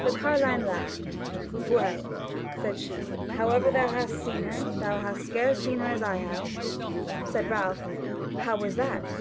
The carline laughed: "Well," said she; "however thou hast seen her, thou hast scarce seen her as I have." Said Ralph, "How was that?"